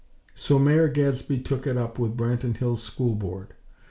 So Mayor Gadsby took it up with Branton Hills' School Board.